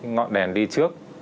ngọn đèn đi trước